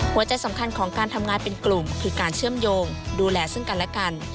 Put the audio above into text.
หัวใจสำคัญของการทำงานเป็นกลุ่มคือการเชื่อมโยงดูแลซึ่งกันและกัน